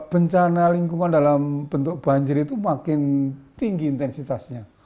bencana lingkungan dalam bentuk banjir itu makin tinggi intensitasnya